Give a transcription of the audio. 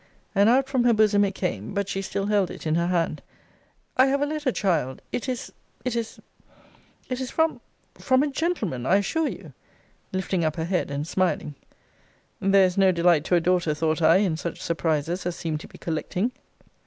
[And out from her bosom it came: but she still held it in her hand] I have a letter, child. It is it is it is from from a gentleman, I assure you! [lifting up her head, and smiling.] There is no delight to a daughter, thought I, in such surprises as seem to be collecting.